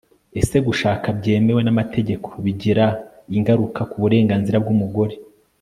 ese gushaka byemewe n'amategeko bigira ingaruka ku burenganzira bw'umugore